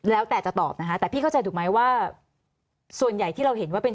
แล้วแต่จะตอบนะคะแต่พี่เข้าใจถูกไหมว่าส่วนใหญ่ที่เราเห็นว่าเป็น